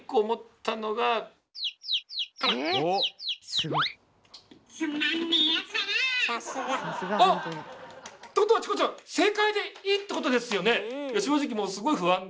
すごい。あっ！ということはチコちゃん正解でいいってことですよね？